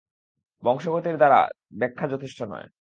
বংশগতির দ্বারা ব্যাখ্যা যথেষ্ট নয়।